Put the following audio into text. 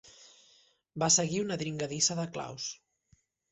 Va seguir una dringadissa de claus.